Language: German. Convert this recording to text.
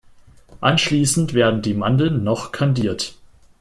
Anschließend werden die Mandeln noch kandiert.